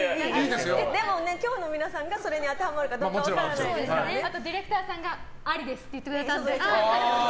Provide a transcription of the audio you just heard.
でも今日の皆さんがそれに当てはまるかどうかあとディレクターさんがありですって言ってくれたので。